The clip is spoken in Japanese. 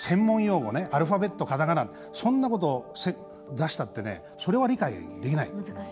アルファベット、カタカナそんなことを出したってそれは理解できない。